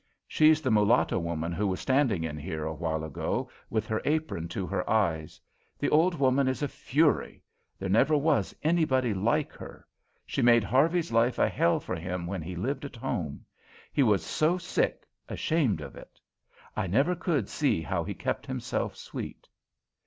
She's the mulatto woman who was standing in here a while ago, with her apron to her eyes. The old woman is a fury; there never was anybody like her. She made Harvey's life a hell for him when he lived at home; he was so sick ashamed of it. I never could see how he kept himself sweet."